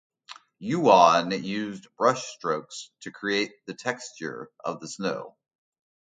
Yuon used brushstrokes to create the texture of the snow.